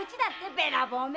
べらぼうめ！